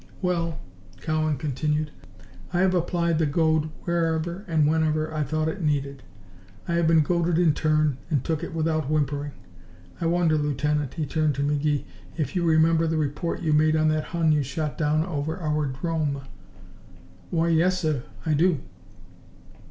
"Well," Cowan continued, "I have applied the goad whenever and wherever I thought it needed. I have been goaded in turn, and took it without whimpering. I wonder, Lieutenant," he turned to McGee, "if you remember the report you made on that Hun you shot down over our 'drome?" "Why yes, sir, I do."